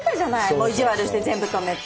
もう意地悪して全部止めて。